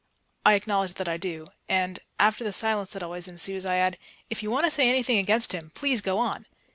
I acknowledge that I do, and, after the silence that always ensues, I add, "If you want to say anything against him, please go on."